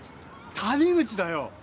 谷口だよ！